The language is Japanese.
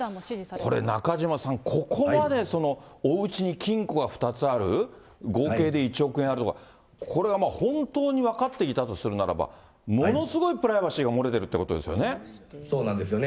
これ、中島さん、ここまでおうちに金庫が２つある、合計で１億円あるとか、これはもう本当に分かっていたとするならば、ものすごいプライバシーが漏れてるってことですよね。